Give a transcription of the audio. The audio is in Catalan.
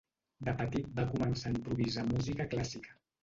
De petit va començar a improvisar música clàssica.